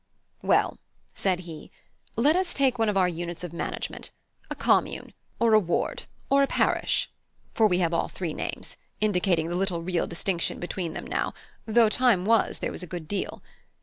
"Well," said he, "let us take one of our units of management, a commune, or a ward, or a parish (for we have all three names, indicating little real distinction between them now, though time was there was a good deal).